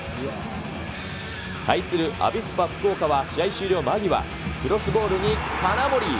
対するアビスパ福岡は、試合終了間際、クロスボールに金森。